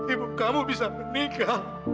ibu kamu bisa meninggal